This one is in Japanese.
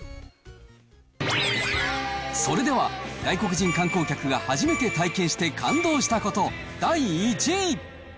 それでは、外国人観光客が初めて体験して感動したこと第１位。